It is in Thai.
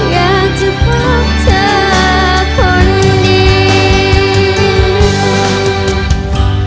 อยากเจอแค่ใช่คนเดียว